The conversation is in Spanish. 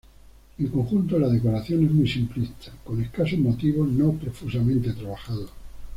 En conjunto, la decoración es muy simplista con escasos motivos no profusamente trabajados.